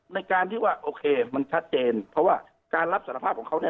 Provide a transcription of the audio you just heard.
ในการที่ว่าโอเคมันชัดเจนเพราะว่าการรับสารภาพของเขาเนี่ย